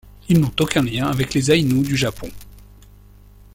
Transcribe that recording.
Ils n'ont aucun lien avec les Aïnous du Japon.